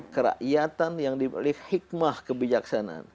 kerakyatan yang dipilih hikmah kebijaksanaan